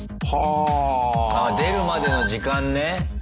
あ出るまでの時間ね。